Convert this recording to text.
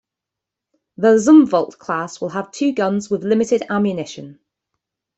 The "Zumwalt" class will have two guns with limited ammunition.